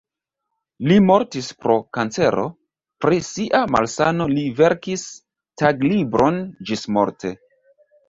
Li mortis pro kancero, pri sia malsano li verkis taglibron ĝismorte.